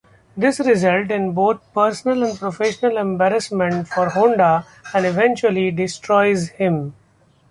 This results in both personal and professional embarrassment for Honda, and eventually destroys him.